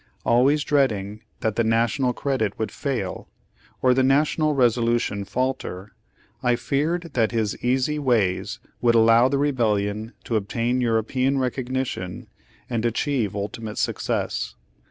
Always dreading that the National credit would fail, or the National resolution falter, I feared that his easy ways would allow the rebellion to obtain European recognition and achieve ultimate success.